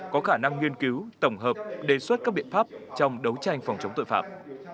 có khả năng nghiên cứu tổng hợp đề xuất các biện pháp trong đấu tranh phòng chống tội phạm